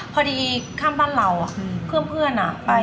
พอดีข้ามบ้านเราเพื่อนไป